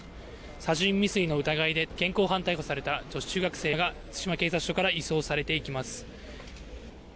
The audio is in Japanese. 殺人未遂の疑いで現行犯逮捕された女子中学生が津島警察署から移送されていきます。